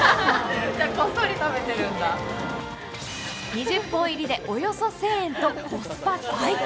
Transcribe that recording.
２０本入りでおよそ１０００円とコスパ最強。